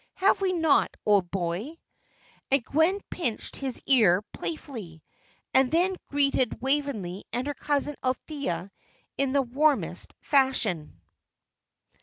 Have we not, old boy?" And Gwen pinched his ear playfully, and then greeted Waveney and her cousin Althea in the warmest fashion.